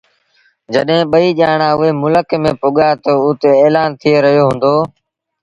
جڏهيݩ ٻئيٚ ڄآڻآݩ اُئي ملڪ ميݩ پُڳآ تا اُت ايلآݩ ٿئي رهيو هُݩدو